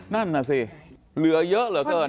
นั่นน่ะสิเหลือเยอะเหลือเกิน